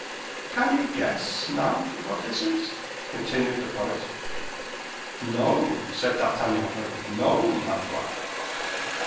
"Can you guess, now, what this is?" continued the poet. "No," said D'Artagnan, "no, ma foi!"